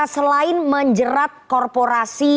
selain menjerat korporasi